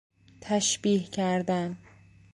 تشبیه کردن